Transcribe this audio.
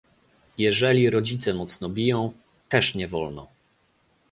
"Jeżeli rodzice mocno biją, też nie wolno."